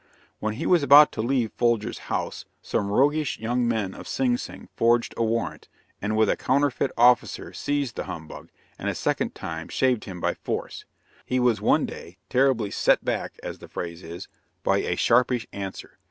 When he was about to leave Folger's house, some roguish young men of Sing Sing forged a warrant, and with a counterfeit officer seized the humbug, and a second time shaved him by force. He was one day terribly "set back" as the phrase is, by a sharpish answer.